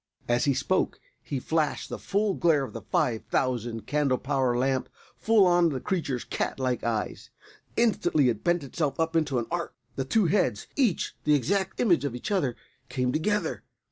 As he spoke he flashed the full glare of the five thousand candle power lamp full on to the creature's great cat like eyes. Instantly it bent itself up into an arc. The two heads, each the exact image of the other, came together.